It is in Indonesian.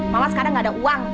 mama sekarang gak ada uang